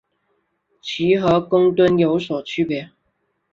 其和公吨有所区别。